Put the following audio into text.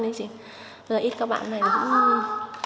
bây giờ ít các bạn này cũng